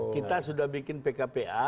kita sudah bikin pkpa